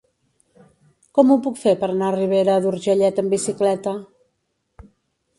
Com ho puc fer per anar a Ribera d'Urgellet amb bicicleta?